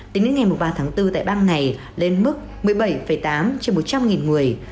tính đến ngày ba tháng bốn tại bang này lên mức một mươi bảy tám trên một trăm linh người